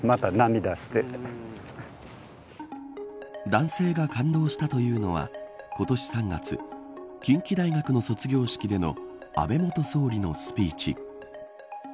男性が感動したというのは今年３月、近畿大学の卒業式での安倍元総理のスピーチ。